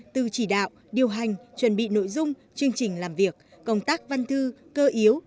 từ chỉ đạo điều hành chuẩn bị nội dung chương trình làm việc công tác văn thư cơ yếu